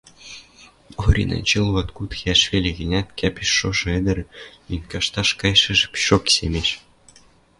Оринӓ эче луаткуд иӓш веле гӹнят, кӓпеш шошы ӹдӹр лин кашташ кайышыжы пишок семеш: